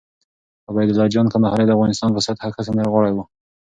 عبیدالله جان کندهاری د افغانستان په سطحه ښه سندرغاړی وو